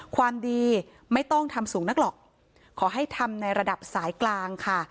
ความดีไม่ต้องทำสูงนักหรอกขอให้ทำในระดับสายกลางค่ะ